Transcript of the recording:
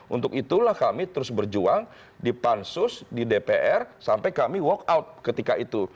untuk itulah kami terus berjuang di pansus di dpr sampai kami walk out ketika itu